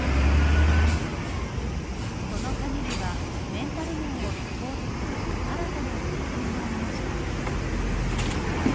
その陰には、メンタル面をサポートする新たな取り組みがありました